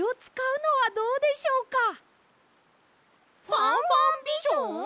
ファンファンビジョン？